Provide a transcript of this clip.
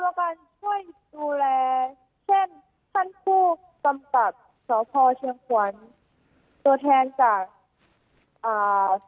ตรรกันช่วยดูแลเช่นท่านผู้จำตัดสภาพเชียงควรตัวแทนจาก